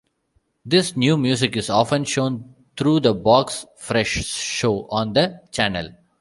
This new music is often shown through the 'Box Fresh' show on the channel.